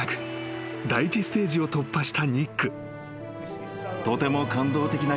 ［第１ステージを突破したニック］